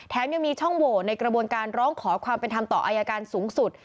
ยังมีช่องโหวตในกระบวนการร้องขอความเป็นธรรมต่ออายการสูงสุด